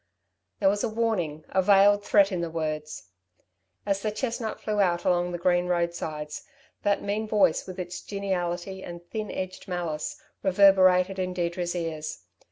There was a warning, a veiled threat, in the words. As the chestnut flew out along the green roadsides, that mean voice with its geniality and thin edged malice, reverberated in Deirdre's ears.